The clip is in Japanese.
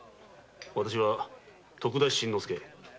私は徳田新之助。